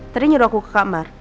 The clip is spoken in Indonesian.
tadi nyuruh aku ke kamar